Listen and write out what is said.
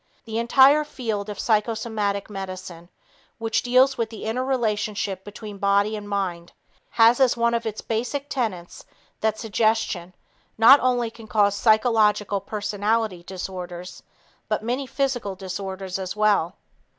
The entire field of psychosomatic medicine, which deals with the interrelationship between body and mind, has as one of its basic tenets that suggestion not only can cause psychological personality disorders, but many physical disorders as well.